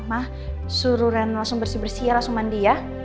mah suruh ren langsung bersih bersih ya langsung mandi ya